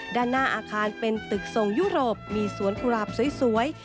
ด้านหน้าอาคารเป็นตึกทรงยุโรปมีสวนกุหลาบสวย